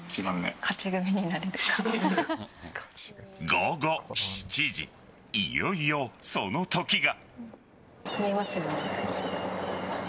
午後７時、いよいよその時が。